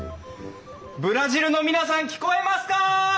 ブラジルの皆さん聞こえますか！